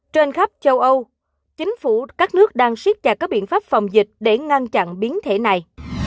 trên khắp châu âu chính phủ các nước đang siết chặt các biện pháp phòng dịch để ngăn chặn biến thể này